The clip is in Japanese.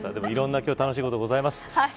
いろんな今日は楽しいことがございます。